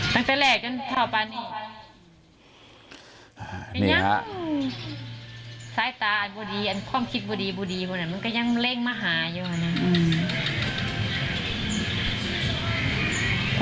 ตั้งแต่แหลกจนเท่าป่านนี้เป็นยังซ้ายตาอันบดดีอันความคิดบดดีบดดีมันก็ยังเล่งมาหาย่วงนะ